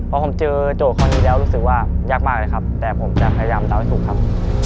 พอผมเจอโจทย์ข้อนี้แล้วรู้สึกว่ายากมากเลยครับแต่ผมจะพยายามเดาให้ถูกครับ